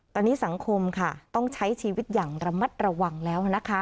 ตอนนี้สังคมค่ะต้องใช้ชีวิตอย่างระมัดระวังแล้วนะคะ